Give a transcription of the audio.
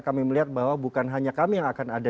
kami melihat bahwa bukan hanya kami yang akan ada